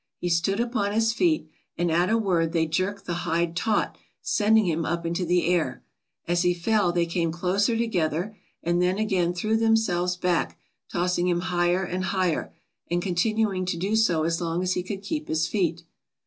He stood upon his feet, and at a word they jerked the hide taut, sending him up into the air. As he fell they came closer together and then again threw themselves back, tossing him higher and higher, and continuing to do so as long as he could keep his feet.